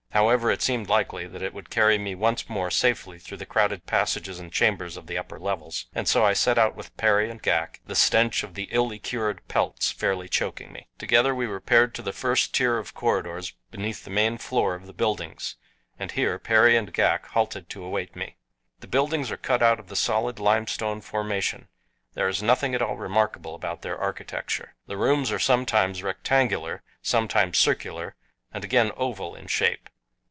However it seemed likely that it would carry me once more safely through the crowded passages and chambers of the upper levels, and so I set out with Perry and Ghak the stench of the illy cured pelts fairly choking me. Together we repaired to the first tier of corridors beneath the main floor of the buildings, and here Perry and Ghak halted to await me. The buildings are cut out of the solid limestone formation. There is nothing at all remarkable about their architecture. The rooms are sometimes rectangular, sometimes circular, and again oval in shape.